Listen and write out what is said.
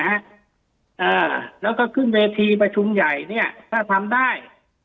อ่าแล้วก็ขึ้นเวทีประชุมใหญ่เนี่ยถ้าทำได้